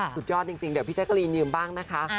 สุดยอดจริงเดี๋ยวพี่แจ๊กรีนยืมบ้างนะคะ